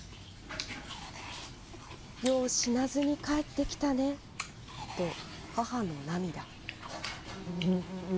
よう死なずに帰ってきたねと母の涙。